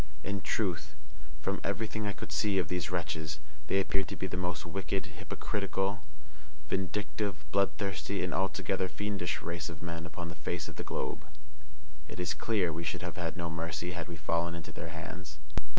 In truth, from everything I could see of these wretches, they appeared to be the most wicked, hypocritical, vindictive, bloodthirsty, and altogether fiendish race of men upon the face of the globe. It is clear we should have had no mercy had we fallen into their hands.